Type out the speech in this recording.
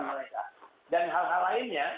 mereka dan hal hal lainnya